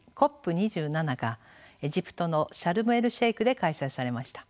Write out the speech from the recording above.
２７がエジプトのシャルム・エル・シェイクで開催されました。